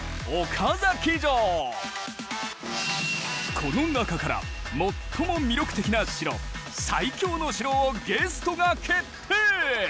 この中から最も魅力的な城最強の城をゲストが決定！